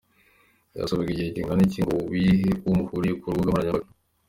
Byasaba igihe kingana iki ngo wihe uwo muhuriye ku rubuga nkoranyambaga ?.